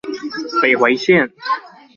北迴線